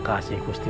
ke hasil gaya